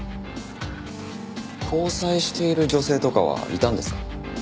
交際している女性とかはいたんですか？